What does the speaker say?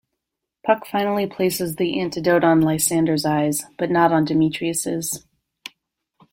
Puck finally places the antidote on Lysander's eyes - but not on Demetrius's.